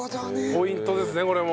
ポイントですねこれも。